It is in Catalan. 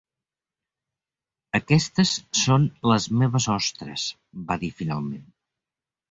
Aquestes són les meves ostres, va dir finalment.